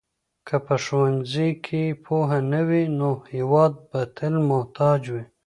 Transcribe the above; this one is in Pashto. که په ښوونځیو کې پوهه نه وي نو هېواد به تل محتاج وي.